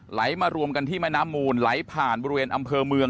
ไหลมารวมกันที่แม่น้ำมูลไหลผ่านบริเวณอำเภอเมือง